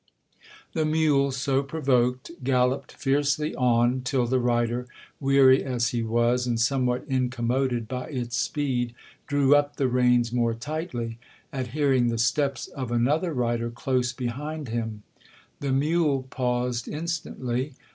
The mule, so provoked, gallopped fiercely on, till the rider, weary as he was, and somewhat incommoded by its speed, drew up the reins more tightly, at hearing the steps of another rider close behind him. The mule paused instantly.